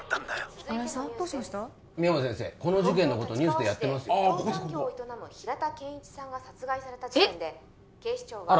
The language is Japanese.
不動産業を営む平田賢一さんが殺害された事件でえっ！？